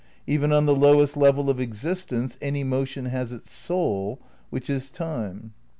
"*"... even on the lowest level of existence, any motion has its soul, which is time."